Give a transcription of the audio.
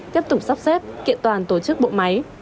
tiếp tục sắp xếp kiện toàn tổ chức bộ máy